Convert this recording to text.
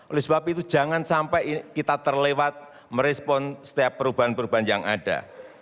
oleh sebab itu jangan sampai kita terlewat merespon setiap perubahan perubahan yang ada